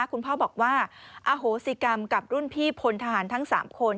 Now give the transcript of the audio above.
คุณพ่อบอกว่าอโหสิกรรมกับรุ่นพี่พลทหารทั้ง๓คน